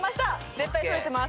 絶対撮れてます。